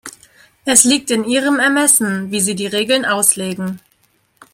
Es liegt in Ihrem Ermessen, wie Sie die Regeln auslegen.